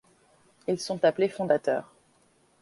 Ils sont appelés fondateurs.